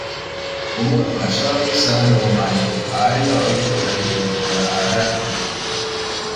އުމުރުން އަށާވީސް އަހަރު ވުމާއެކު އާއިލާ އޮތްގޮތަށް ހީވީ ބޮލަށް އަރައިގެންހެން